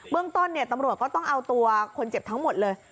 เรื่องต้นตำรวจก็ต้องเอาตัวคนเจ็บทั้งหมดเลย